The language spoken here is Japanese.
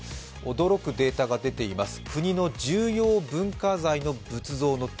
驚くデータが出ています。